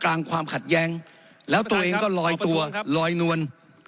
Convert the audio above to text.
กลางความขัดแย้งแล้วตัวเองก็ลอยตัวลอยนวล